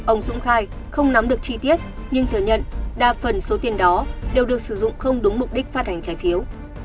ông dũng khai không nắm được chi tiết nhưng thừa nhận đa phần số tiền đó đều được sử dụng không đúng mục đích phát hành trái phiếu